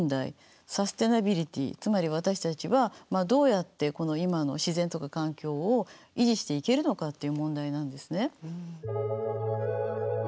つまり私たちはどうやってこの今の自然とか環境を維持していけるのかっていう問題なんですね。